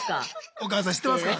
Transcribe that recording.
お母さん知ってますか。